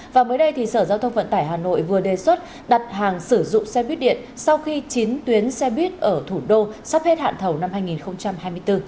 và mới đây sở giao thông vận tải hà nội vừa đề xuất đặt hàng sử dụng xe buýt điện sau khi chín tuyến xe buýt ở thủ đô sắp hết hạn thầu năm hai nghìn hai mươi bốn